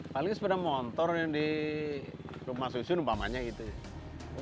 palingan sebenarnya montor yang di rumah susun umpamanya gitu ya